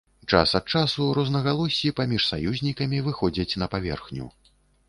Час ад часу рознагалоссі паміж саюзнікамі выходзяць на паверхню.